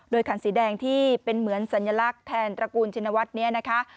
ขันสีแดงที่เป็นเหมือนสัญลักษณ์แทนตระกูลชินวัฒน์นี้นะคะ